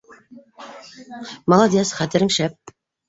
Молодец, хәтерең шәп